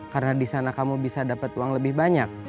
karena di sana kamu bisa dapat uang lebih banyak